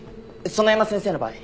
園山先生の場合。